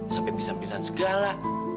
sampai pisah pisahan segala